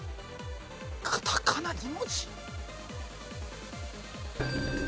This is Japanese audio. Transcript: カタカナ２文字？